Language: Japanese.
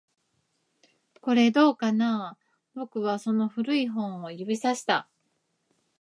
これ、どうかな？僕はその古い本を指差した